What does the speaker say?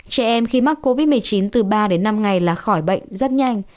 trẻ em khi mắc covid một mươi chín từ ba đến năm ngày là khỏi bệnh rất nhanh